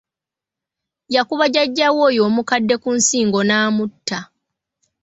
Yakuba jjajjaawe oyo omukadde ku nsingo n'amutta!